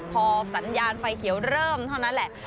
พอสัญญาณไฟเขียวเริ่มเท่านั้นแหละ